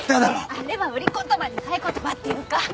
あれは売り言葉に買い言葉っていうか。